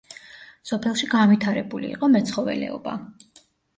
სოფელში განვითარებული იყო მეცხოველეობა.